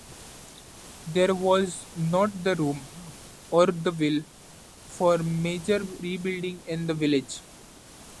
There was not the room, or the will, for major rebuilding in the village.